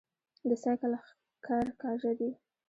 د سايکل ښکر کاژه دي